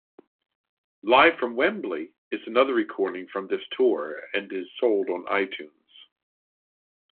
Live from Wembley is another recording from this tour and is sold on iTunes.